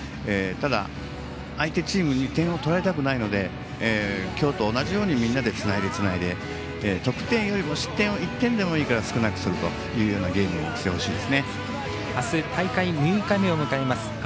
ただ、相手チームに点を取られたくないのできょうと同じようにみんなでつないで、つないで得点より失点を１点でもいいから少なくするというようなあす大会６日目を迎えます。